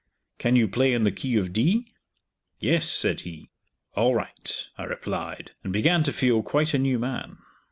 "Can you play in the key of D?" "Yes," said he. "All right." I replied, and began to feel quite a new man.